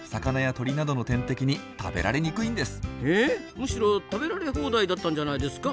むしろ食べられ放題だったんじゃないですか？